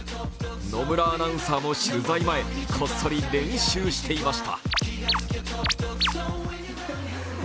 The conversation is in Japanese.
野村アナウンサーも取材前、こっそり練習していました。